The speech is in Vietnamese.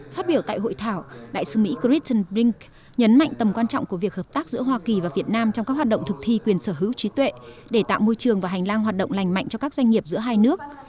phát biểu tại hội thảo đại sứ mỹ christen brink nhấn mạnh tầm quan trọng của việc hợp tác giữa hoa kỳ và việt nam trong các hoạt động thực thi quyền sở hữu trí tuệ để tạo môi trường và hành lang hoạt động lành mạnh cho các doanh nghiệp giữa hai nước